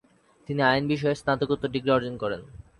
তিনি আইন বিষয়ে স্নাতকোত্তর ডিগ্রি অর্জন করেন।